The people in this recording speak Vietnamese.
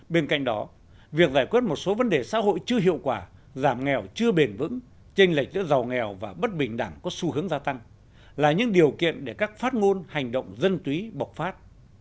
bên cạnh đó việc giải quyết một số vấn đề xã hội chưa hiệu quả giảm nghèo chưa bền vững tranh lệch giữa giàu nghèo và bất bình đẳng có xu hướng gia tăng là những điều kiện để các phát ngôn hành động dân túy bộc phát